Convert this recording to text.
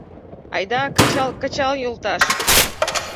Айда, кычал, кычал, йолташ